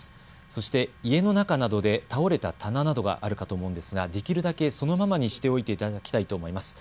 そして家の中などで倒れた棚などがあるかと思うんですができるだけそのままにしておいていただきたいと思います。